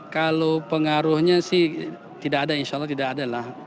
kalau pengaruhnya sih tidak ada insya allah tidak adalah